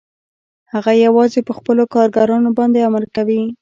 هغه یوازې په خپلو کارګرانو باندې امر کوي